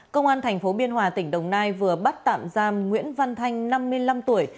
công an tp biên hòa tỉnh đồng nai vừa bắt tạm giam nguyễn văn thanh năm mươi năm tuổi